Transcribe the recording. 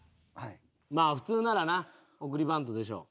まあ普通ならな送りバントでしょう。